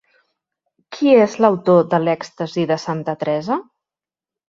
Qui és l'autor de l'Èxtasi de Santa Teresa?